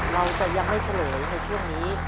เราจะยังไม่เฉลยในช่วงนี้